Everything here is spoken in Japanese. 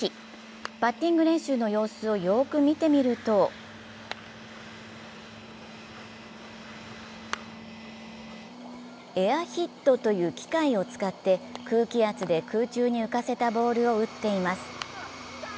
バッティング練習の様子をよーく見てみるとエアヒットという機械を使って空気圧で空中に浮かせたボールを打っています。